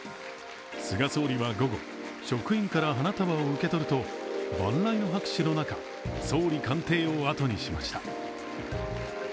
菅総理は午後、職員から花束を受け取ると万雷の拍手の中、総理官邸を後にしました。